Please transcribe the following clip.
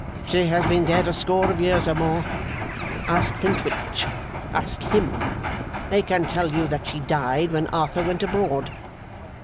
She has been dead a score of years or more. Ask Flintwinch ask him. They can both tell you that she died when Arthur went abroad.